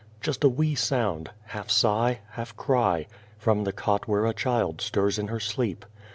Just a wee sound half sigh, half cry from the cot where a child stirs in her sleep.